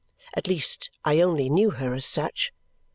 At least, I only knew her as such.